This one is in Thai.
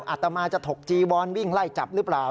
อาตมาจะถกจีวอนวิ่งไล่จับหรือเปล่า